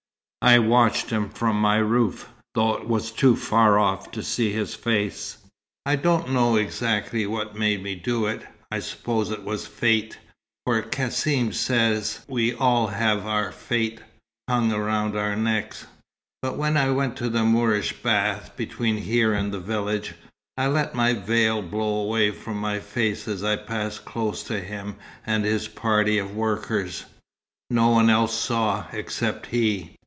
I watched him from my roof, though it was too far off to see his face. I don't know exactly what made me do it I suppose it was Fate, for Cassim says we all have our fate hung round our necks but when I went to the Moorish bath, between here and the village, I let my veil blow away from my face as I passed close to him and his party of workers. No one else saw, except he.